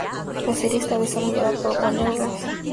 La serie está desarrollada por Warner Bros.